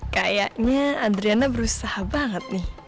kayaknya adriana berusaha banget nih